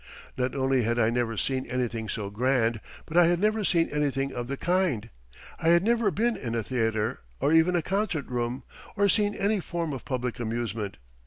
Not only had I never seen anything so grand, but I had never seen anything of the kind. I had never been in a theater, or even a concert room, or seen any form of public amusement.